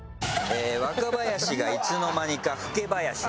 「若林」がいつの間にか「老林」に。